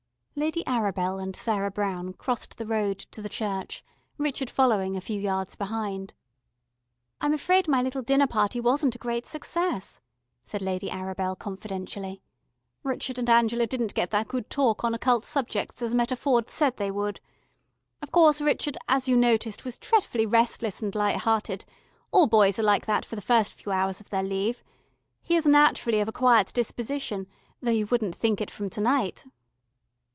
Lady Arabel and Sarah Brown crossed the road to the church, Richard following a few yards behind. "I'm afraid my little dinner party wasn't a great success," said Lady Arabel confidentially. "Rrchud and Angela didn't get that good talk on occult subjects as Meta Ford said they would. Of course Rrchud, as you noticed, was dretfully restless and lighthearted; all boys are like that for the first few hours of their leave. He is naturally of a quiet disposition, though you wouldn't think it from to night."